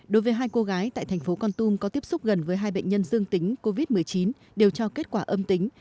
đối với hai cô gái tại thành phố con tum có tiếp xúc gần với hai bệnh nhân dương tính covid một mươi chín đều cho kết quả âm tính